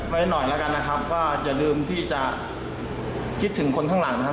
ไว้หน่อยแล้วกันนะครับก็อย่าลืมที่จะคิดถึงคนข้างหลังนะครับ